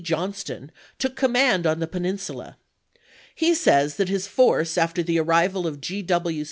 Johnston took command on the Peninsula. He says that his force after the ar rival of (x. W.